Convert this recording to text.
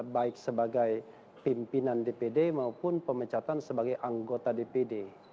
baik sebagai pimpinan dpd maupun pemecatan sebagai anggota dpd